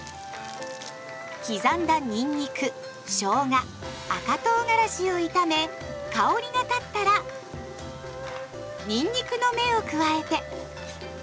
刻んだにんにくしょうが赤とうがらしを炒め香りが立ったらにんにくの芽を加えて。